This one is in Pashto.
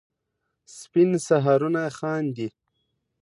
سپین سهارونه خاندي